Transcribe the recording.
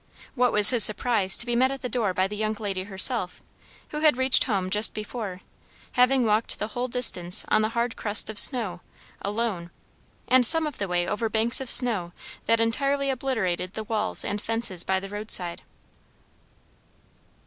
What was his surprise to be met at the door by the young lady herself, who had reached home just before, having walked the whole distance on the hard crust of snow, alone, and some of the way over banks of snow that entirely obliterated the walls and fences by the roadside.